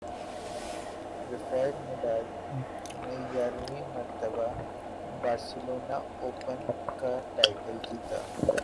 Rafael Nadal نے گیارہویں مرتبہ بارسلونا اوپن کا ٹائٹل جیت لیا